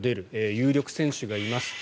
有力選手がいます。